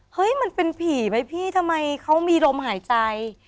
มันเป็นผีไหมพี่ทำไมเขามีลมหายใจ